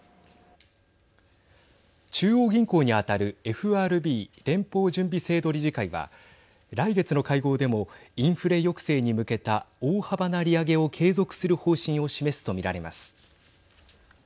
中央銀行に当たるＦＲＢ＝連邦準備制度理事会は来月の会合でもインフレ抑制に向けた大幅な利上げを継続する方針を示すと見られます。